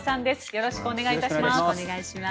よろしくお願いします。